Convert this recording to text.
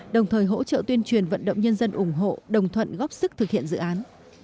đồng thời hỗ trợ tuyên truyền vận động nhân dân ủng hộ đồng thuận góp sức thực hiện dự án